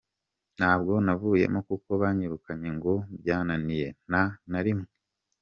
Ntabwo navuyemo kuko banyirukanye ngo byananiye, nta na rimwe.